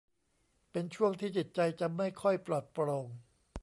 เป็นช่วงที่จิตใจจะไม่ค่อยปลอดโปร่ง